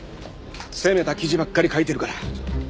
攻めた記事ばっかり書いてるから。